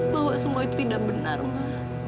bahwa semua itu tidak benar mbak